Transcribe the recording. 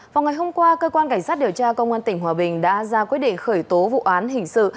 vào ngày hôm qua cơ quan cảnh sát điều tra công an tỉnh hòa bình đã ra quyết định khởi tố vụ án hình sự